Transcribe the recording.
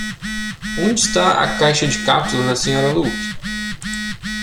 Onde está a caixa de cápsulas da Sra. Luke?